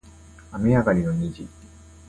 雨上がりの虹